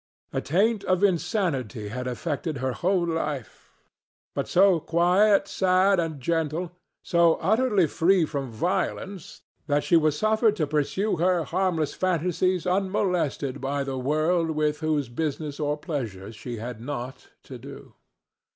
A taint of insanity had affected her whole life, but so quiet, sad and gentle, so utterly free from violence, that she was suffered to pursue her harmless fantasies unmolested by the world with whose business or pleasures she had naught to do.